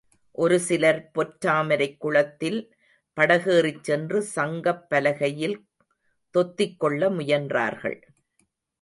ஒரு சிலர் பொற்றாமரைக் குளத்தில் படகேறிச் சென்று சங்கப் பலகையில் தொத்திக்கொள்ள முயன்றார்கள்.